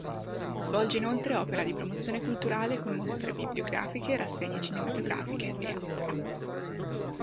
Svolge inoltre opera di promozione culturale con mostre bibliografiche, rassegne cinematografiche e altro.